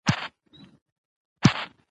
غرونه د افغانانو ژوند اغېزمن کوي.